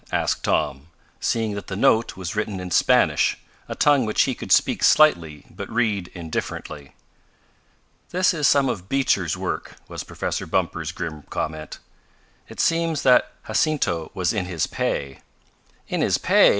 asked Tom, seeing that the note was written in Spanish, a tongue which he could speak slightly but read indifferently. "This is some of Beecher's work," was Professor Bumper's grim comment. "It seems that Jacinto was in his pay." "In his pay!"